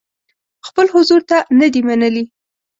خپل حضور ته نه دي منلي.